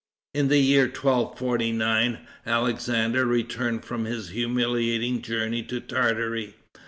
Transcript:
In the year 1249, Alexander returned from his humiliating journey to Tartary.